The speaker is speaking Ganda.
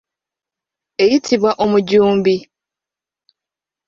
Eyitibwa omujumbi.